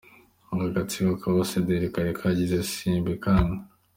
Ngo ako gatsiko k’abasederi kari karigize “simbikangwa”.